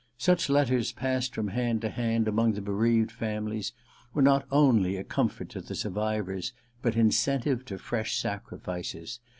Such letters, passed from hand to hand among the bereaved families, were not only a comfort to the survivors but an incentive to fresh sacrifices.